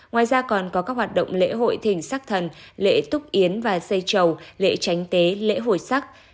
ngoài ra còn có các hoạt động lễ hội thỉnh sắc thần lễ túc yến và xây trầu lễ tránh tế lễ hội sắc